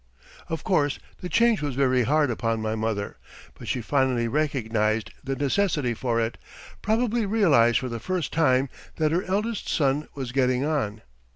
Of course the change was very hard upon my mother, but she finally recognized the necessity for it, probably realized for the first time that her eldest son was getting on.